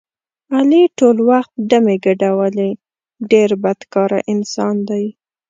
علي ټول وخت ډمې ګډولې ډېر بدکاره انسان دی.